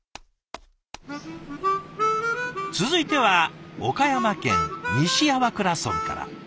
続いては岡山県西粟倉村から。